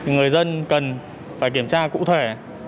người dân cần phải kiểm tra cụ thể